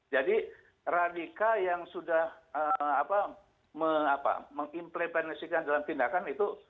jadi radikal yang sudah apa mengimplementasikan dalam tindakan itu